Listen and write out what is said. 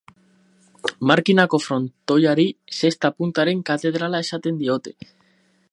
Markinako frontoiari, zesta-puntaren katedrala esaten diote.